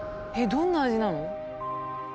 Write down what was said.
どんな味なの？